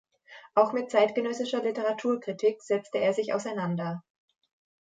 Auch mit zeitgenössischer Literaturkritik setzte er sich auseinander.